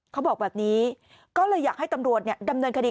เขาบอกแบบนี้ก็เลยอยากให้ตำรวจดำเนินคดี